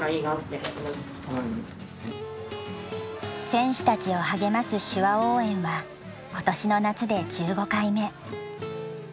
選手たちを励ます手話応援は今年の夏で１５回目。